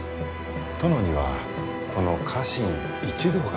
殿にはこの家臣一同がおります。